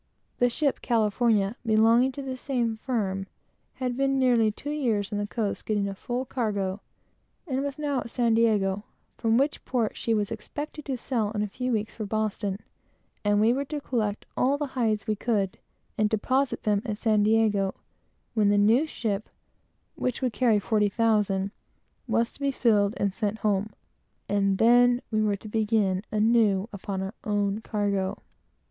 The ship California, belonging to the same firm, had been nearly two years on the coast; had collected a full cargo, and was now at San Diego, from which port she was expected to sail in a few weeks for Boston; and we were to collect all the hides we could, and deposit them at San Diego, when the new ship, which would carry forty thousand, was to be filled and sent home; and then we were to begin anew, and collect our own cargo.